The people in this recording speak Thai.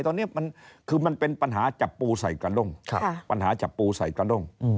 ตอนนี้คือมันเป็นปัญหาจับปูใส่กระด้ง